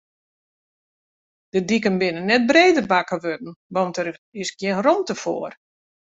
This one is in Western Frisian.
De diken kinne net breder makke wurde, want dêr is gjin romte foar.